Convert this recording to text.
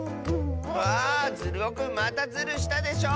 わあズルオくんまたズルしたでしょ！